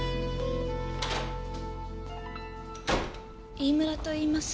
飯村といいます。